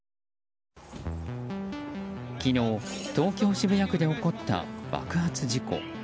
昨日、東京・渋谷区で起こった爆発事故。